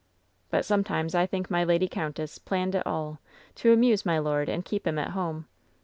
"But sometimes I think my lady countess planned it all — to amuse my lord, and keep him at home.